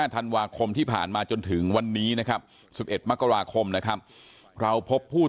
ธันวาคมที่ผ่านมาจนถึงวันนี้นะครับ๑๑มกราคมนะครับเราพบผู้